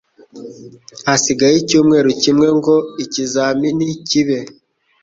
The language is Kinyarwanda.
Hasigaye icyumweru kimwe ngo ikizamini kibe.